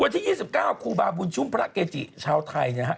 วันที่๒๙ครูบาบุญชุมพระเกจิชาวไทยนะฮะ